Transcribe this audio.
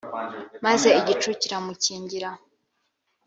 maze igicu kiramukingiriza